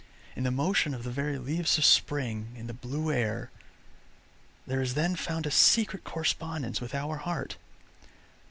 In the motion of the very leaves of spring, in the blue air, there is then found a secret correspondence with our heart.